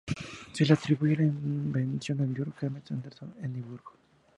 Se le atribuye la invención a Dr James Anderson Edimburgo.